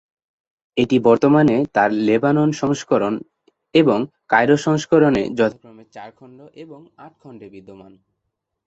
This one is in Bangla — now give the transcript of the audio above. এটি বর্তমানে তার লেবানন সংস্করণ এবং কায়রো সংস্করণে যথাক্রমে চার খণ্ড এবং আট খণ্ডে বিদ্যমান।